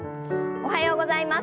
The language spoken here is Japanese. おはようございます。